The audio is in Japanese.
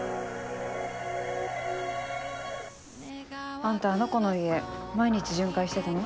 あんたあの子の家毎日巡回してたの？